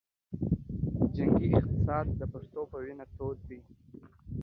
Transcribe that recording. جنګي اقتصاد د پښتنو پۀ وینه تود دے